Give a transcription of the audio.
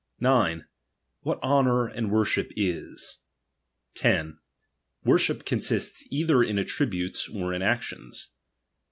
III. 9. What honour and worship is. 10. Worship ^^^■iiwist« either in attributes or in actions.